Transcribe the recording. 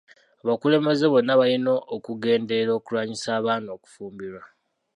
Abakulembeze bonna balina okugenderera okulwanyisa abaana okufumbirwa.